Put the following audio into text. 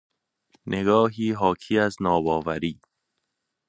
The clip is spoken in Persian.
نگاهی حاکی از ناباوری